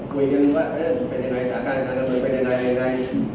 คุยกันว่าเป็นยังไงสถานการณ์ของเราเป็นยังไง